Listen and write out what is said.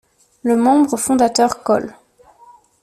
Le membre fondateur Col.